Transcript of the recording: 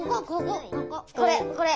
これこれ。